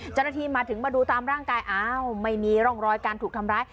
เจ้าหน้าที่มาถึงมาดูตามร่างกายอ้าวไม่มีร่องรอยการถูกทำร้าย